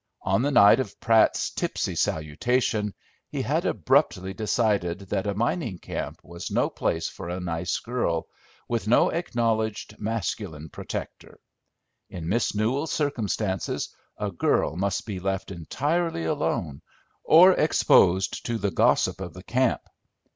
On the night of Pratt's tipsy salutation he had abruptly decided that a mining camp was no place for a nice girl, with no acknowledged masculine protector. In Miss Newell's circumstances a girl must be left entirely alone, or exposed to the gossip of the camp.